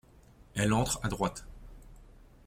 Elle entre à droite.